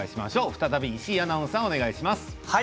再び石井アナウンサーお願いします。